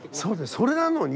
それなのに。